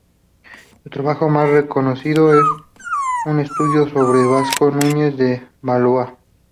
Su trabajo más reconocido es un estudio sobre Vasco Núñez de Balboa.